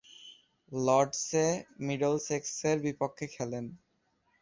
লর্ডসে মিডলসেক্সের বিপক্ষে খেলেন।